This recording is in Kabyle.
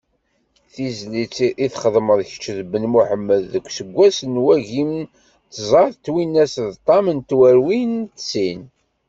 Tizlit i txedmem kečč d Ben Muḥemmed deg useggas n wagim d tẓa twinas d ṭam tmerwin d sin?